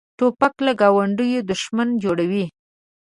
توپک له ګاونډي دښمن جوړوي.